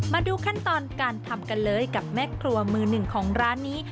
มาดูขั้นตอนการทำกันเลยกับแม่ครัวมือหนึ่งของร้านนี้